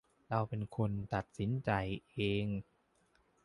เราเป็นคนตัดสินใจเอง